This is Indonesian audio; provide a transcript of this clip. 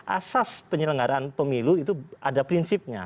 asas penyelenggaraan pemilu itu ada prinsipnya